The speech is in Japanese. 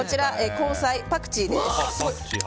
香菜、パクチーです。